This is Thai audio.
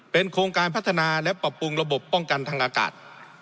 โครงการพัฒนาและปรับปรุงระบบป้องกันทางอากาศ